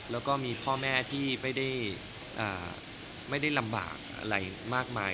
แล้วก็มีพ่อแม่ที่ไม่ได้ลำบากอะไรมากมาย